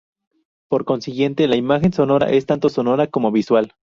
Por consiguiente, la imagen sonora es tanto sonora como visual.